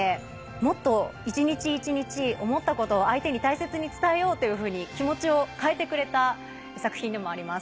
もっと一日一日思ったことを相手に大切に伝えようというふうに気持ちを変えてくれた作品でもあります。